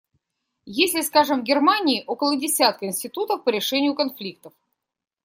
Если, скажем, в Германии около десятка институтов по решению конфликтов.